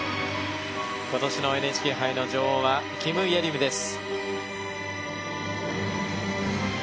今年のＮＨＫ杯の女王はキム・イェリムです。